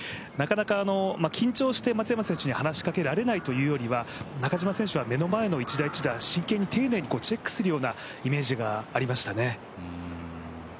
なかなか、緊張して松山選手に話しかけられないというよりは中島選手は目の前の一打一打、真剣に丁寧にチェックするようなイメージがありましたね。